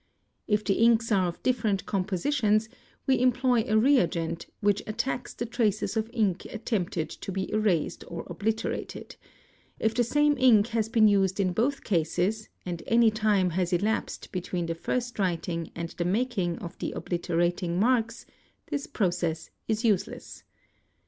If the inks are of different compositions, we employ a reagent which attacks the traces of ink attempted to be © erased or obliterated; if the same ink has been used in both cases and any time has elapsed between the first writing and the making of the obliter ating marks this process is useless.